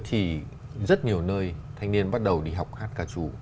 thì rất nhiều nơi thanh niên bắt đầu đi học hát ca trù